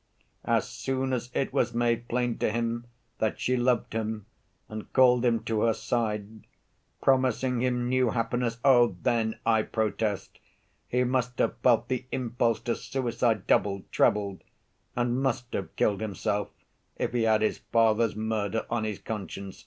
As soon as it was made plain to him that she loved him and called him to her side, promising him new happiness, oh! then, I protest he must have felt the impulse to suicide doubled, trebled, and must have killed himself, if he had his father's murder on his conscience.